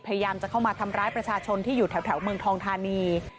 พยายามจะเข้ามาทำร้ายประชาชนที่อยู่แถวเมืองทองธานี